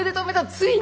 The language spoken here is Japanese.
ついに。